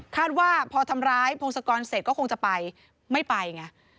ว่าพอทำร้ายพงศกรเสร็จก็คงจะไปไม่ไปไง